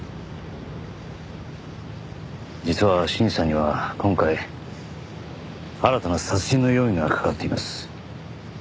実は信二さんには今回新たな殺人の容疑がかかっています。